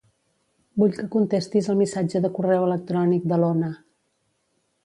Vull que contestis el missatge de correu electrònic de l'Ona.